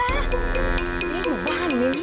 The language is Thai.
นี่หนูบ้านนี้เนี่ย